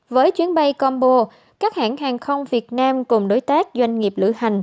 với chuyến bay combo các hãng hàng không việt nam cùng đối tác doanh nghiệp lữ hành